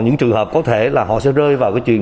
những trường hợp có thể là họ sẽ rơi vào cái chuyện